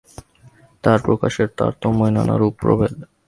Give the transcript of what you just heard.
তাঁহার প্রকাশের তারতম্যেই নানারূপ প্রভেদ।